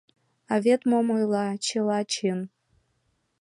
А вет мом ойла — чыла чын!